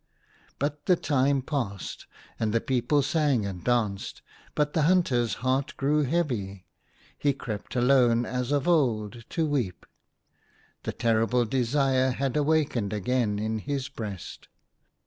But the time passed, and the people sang and danced ; but the hunter's heart grew heavy. He crept alone, as of old, to weep ; the terrible desire had awakened again in his breast.